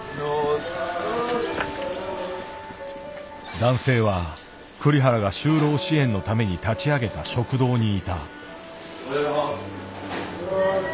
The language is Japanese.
男性は栗原が就労支援のために立ち上げた食堂にいた。